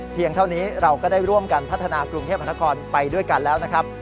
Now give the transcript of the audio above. เท่านี้เราก็ได้ร่วมกันพัฒนากรุงเทพนครไปด้วยกันแล้วนะครับ